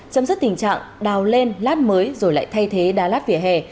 chấm dứt tình trạng đào lên lát mới rồi lại thay thế đá lát vỉa hè